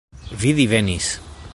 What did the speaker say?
Vi divenis.